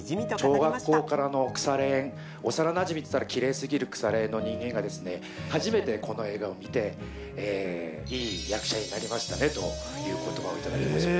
小学校からの腐れ縁、幼なじみって言ったらきれいすぎる、腐れ縁の人間が、初めてこの映画を見て、いい役者になりましたねということばを頂きました。